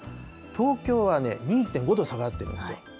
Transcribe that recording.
東京は２．５度下がってるんですよ。